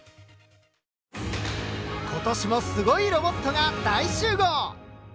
今年もすごいロボットが大集合！